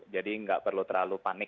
jadi enggak perlu terlalu panik